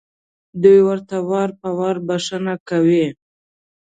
دوی ورته وار په وار بښنه کوي.